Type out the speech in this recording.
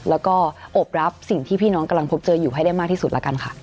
แล้วก็อบรับสิ่งที่พี่น้องกำลังพบเจออยู่ให้ได้มากที่สุดแล้วกันค่ะ